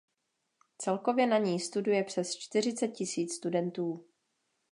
Celkově na ní studuje přes čtyřicet tisíc studentů.